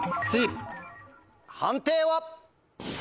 判定は？